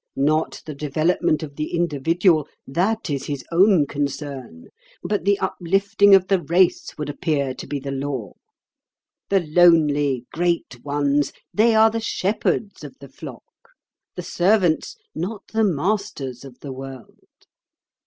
Not the development of the individual—that is his own concern—but the uplifting of the race would appear to be the law. The lonely great ones, they are the shepherds of the flock—the servants, not the masters of the world.